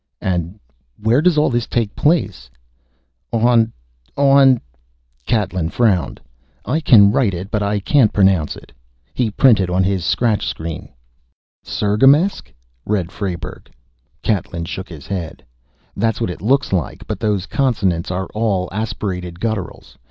"And where does all this take place?" "On on " Catlin frowned. "I can write it, but I can't pronounce it." He printed on his scratch screen: CIRGAMESÇ. "Sirgamesk," read Frayberg. Catlin shook his head. "That's what it looks like but those consonants are all aspirated gutturals.